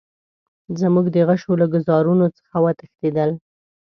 زموږ د غشیو له ګوزارونو څخه وتښتېدل.